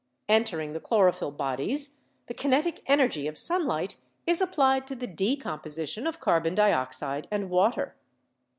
Entering the chloro phyll bodies, the kinetic energy of sunlight is applied to the decomposition of carbon dioxide and water.